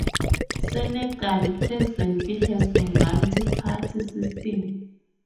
Senegal presently has a multi-party system.